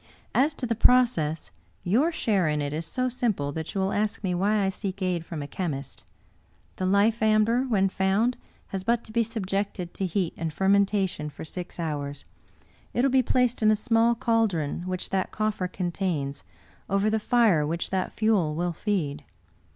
As to the process, your share in it is so simple that you will ask me why I seek aid from a chemist. The life amber, when found, has but to be subjected to heat and fermentation for six hours ; it will be placed in a small caldron which that coffer contains, over the fire which that fuel will feed.